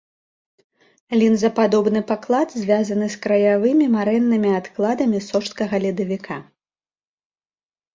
Лінзападобны паклад звязаны з краявымі марэннымі адкладамі сожскага ледавіка.